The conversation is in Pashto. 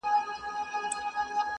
چي خپل ځان یې د خاوند په غېږ کي ورکړ.!